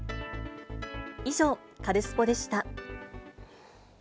以上、カルスポっ！でした。